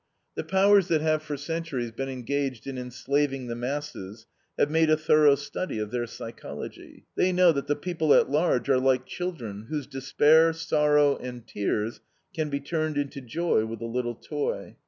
The powers that have for centuries been engaged in enslaving the masses have made a thorough study of their psychology. They know that the people at large are like children whose despair, sorrow, and tears can be turned into joy with a little toy.